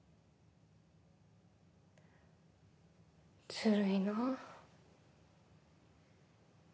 ずるいな。